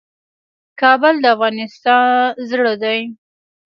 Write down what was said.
کابل د افغانستان زړه دی